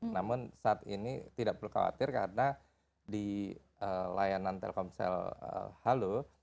namun saat ini tidak perlu khawatir karena di layanan telkomsel halo